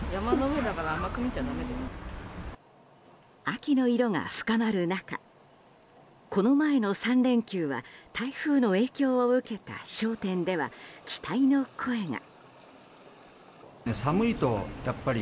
秋の色が深まる中この前の３連休は台風の影響を受けた商店では期待の声が。